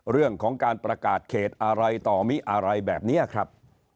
เรื่องของการประกาศเขตอะไรต่อมิอะไรแบบนี้ครับ